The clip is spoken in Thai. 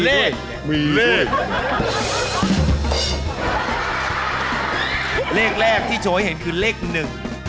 เรียกแรกที่โฉยเห็นคือเรียกหนึ่ง